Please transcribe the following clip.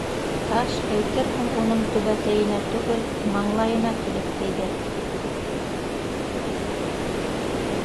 Таш, әйтерһең, уның түбәтәйенә түгел, маңлайына килеп тейҙе.